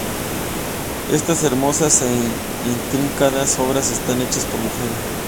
Estas hermosas e intrincadas obras están hechas por mujeres.